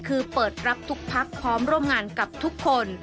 คือเปิดรับทุกพักพร้อมร่วมงานกับทุกคน